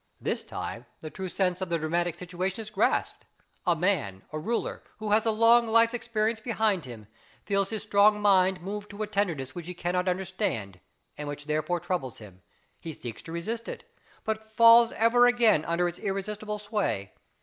This time the true sense of the dramatic situation is grasped; a man, a ruler, who has a long life's experience behind him, feels his strong mind moved to a tenderness which he cannot understand, and which therefore troubles him; he seeks to resist it, but falls ever again under its irresistible sway.